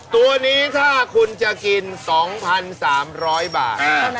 ตัวนี้ถ้าคุณจะกิน๒๓๐๐บาท